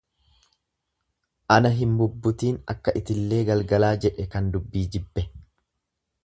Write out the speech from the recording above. Ana hin bubbutiin akka itillee galgalaa jedhe kan dubbii jibbe.